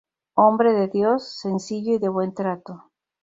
Hombre de Dios, sencillo y de buen trato.